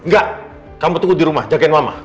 enggak kamu tunggu dirumah jagain mama